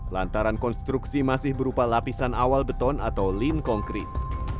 lantaran konstruksi masih berupa lapisan awal beton atau lean konkret